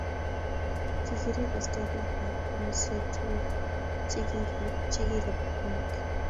kikiriib askarik komoswek tugul chekikareb bunik